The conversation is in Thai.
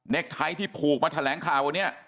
เนคไทที่พูกมาแทะแหลงข่าวเนี้ย